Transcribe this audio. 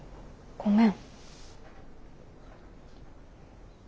ごめん。